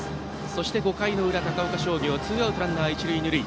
そして５回の裏、高岡商業ツーアウトランナー、一塁二塁。